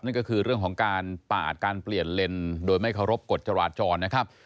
นั่นก็คือเรื่องของการปาดการเปลี่ยนเลนโดยไม่เคารพกฎจราจรนะครับ